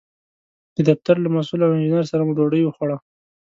د دفتر له مسوول او انجینر سره مو ډوډۍ وخوړه.